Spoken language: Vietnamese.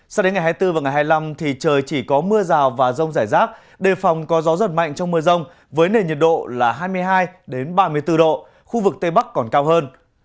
sao đến ngày hai mươi bốn và ngày hai mươi năm thì trời chỉ có mưa rào và rông rải rác đề phòng có gió giật mạnh trong mưa rông với nền nhiệt độ là hai mươi hai ba mươi bốn độ khu vực tây bắc còn cao hơn